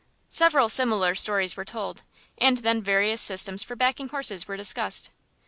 '" Several similar stories were told, and then various systems for backing horses were discussed.